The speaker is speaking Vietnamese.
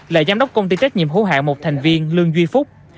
là giám đốc công ty trách nhiệm hữu hạng một thành viên lương duy phúc